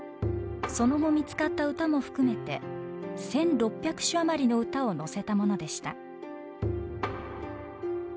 その後見つかった歌も含めて１，６００首余りの歌を載せたものでした。